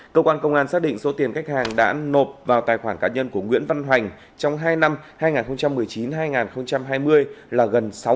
cơ quan công an xác định số tiền khách hàng đã nộp vào tài khoản cá nhân của nguyễn văn hoành trong hai năm hai nghìn một mươi chín hai nghìn hai mươi là gần sáu trăm linh tỷ đồng